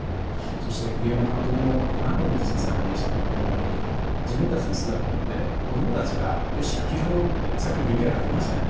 そして栗山監督も何度も口にされていましたが自分たちの姿を見て子供たちが、よし野球やろうってさっきもＶＴＲありましたよね。